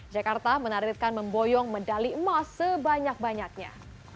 jakarta menargetkan memboyong medali emas sebanyak banyaknya